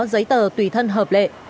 giấy tờ tùy thân hợp lệ